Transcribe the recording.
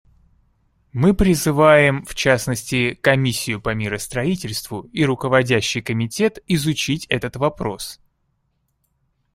Мы призываем, в частности, Комиссию по миростроительству и Руководящий комитет изучить этот вопрос.